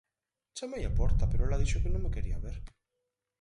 Chamei á porta pero ela dixo que non me quería ver.